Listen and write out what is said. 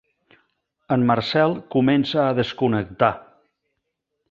El Marcel comença a desconnectar.